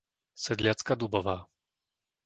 Sedliacka Dubová